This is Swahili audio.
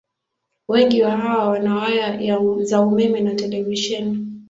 Wengi wa hawa wana waya za umeme na televisheni.